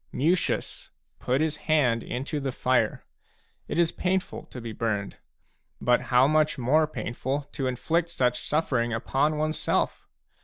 Mucius put his hand into the fire. It is painful to be burned ; but how much more painful to inflict such suffering upon oneself